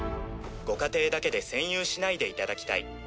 ご家庭だけで占有しないでいただきたい。